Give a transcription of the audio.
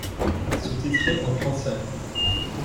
Sous-titré en français.